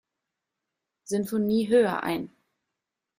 Sinfonie höher ein.